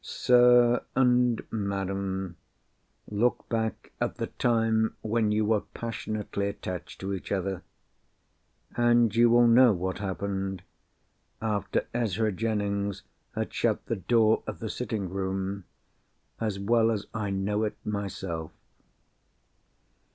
Sir and Madam, look back at the time when you were passionately attached to each other—and you will know what happened, after Ezra Jennings had shut the door of the sitting room, as well as I know it myself.